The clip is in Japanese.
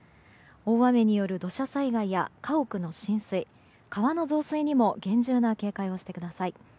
大雨による土砂災害や家屋の浸水川の増水にも厳重な警戒をしてください。